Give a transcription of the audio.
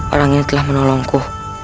orang ini telah menolongku